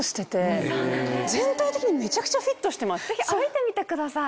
ぜひ歩いてみてください。